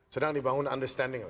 sedang dibangun understanding